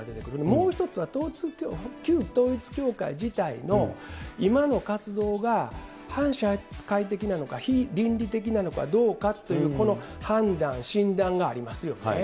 もう１つは、旧統一教会自体の今の活動が、反社会的なのか、非倫理的なのかどうかという、この判断、診断がありますよね。